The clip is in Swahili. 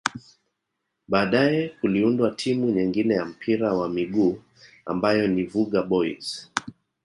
Baadae kuliundwa timu nyengine ya mpira wa miguu ambayo ni Vuga Boys